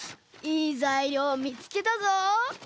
いいざいりょうみつけたぞ！